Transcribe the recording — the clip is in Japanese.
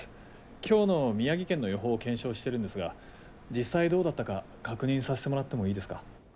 今日の宮城県の予報を検証してるんですが実際どうだったか確認させてもらってもいいですか？